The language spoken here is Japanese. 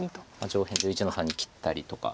上辺１１の三に切ったりとか。